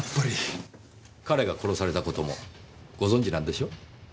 彼が殺された事もご存じなんでしょ？